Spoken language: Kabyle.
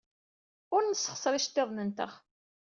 Ur nessexṣer iceḍḍiḍen-nteɣ.